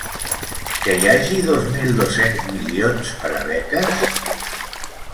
Que hi hagi dos mil dos-cents milions per a beques?